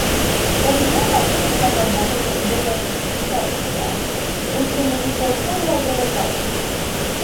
La regiono apudas la marbordon de la Pacifika Oceano de Sudameriko kaj la Galapagoj.